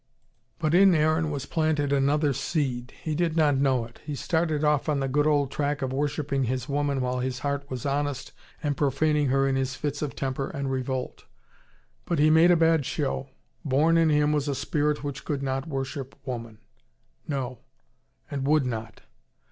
But in Aaron was planted another seed. He did not know it. He started off on the good old tack of worshipping his woman while his heart was honest, and profaning her in his fits of temper and revolt. But he made a bad show. Born in him was a spirit which could not worship woman: no, and would not.